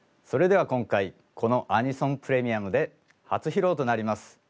それでは今回この「アニソン！プレミアム！」で初披露となります。